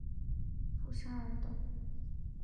布沙尔岛。